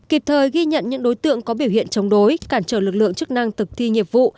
kịp thời ghi nhận những đối tượng có biểu hiện chống đối cản trở lực lượng chức năng thực thi nhiệm vụ